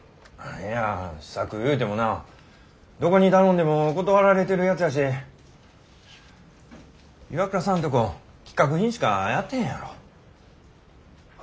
いや試作いうてもなどこに頼んでも断られてるやつやし岩倉さんとこ規格品しかやってへんやろ。